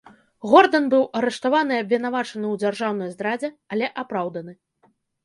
Гордан быў арыштаваны і абвінавачаны ў дзяржаўнай здрадзе, але апраўданы.